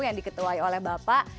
yang diketuai oleh bapak